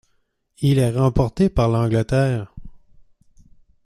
Il est remporté par l'Angleterre.